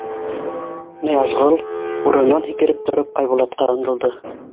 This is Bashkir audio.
Ныязғол, урынынан һикереп тороп, Айбулатҡа ынтылды.